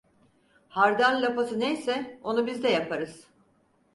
Hardal lapası neyse, onu biz de yaparız.